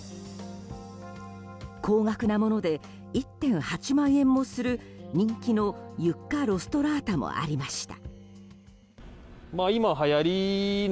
高額なもので１点８万円もする人気のユッカロストラータもありました。